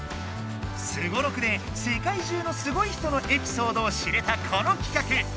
すごろくで世界中のスゴい人のエピソードを知れたこのきかく。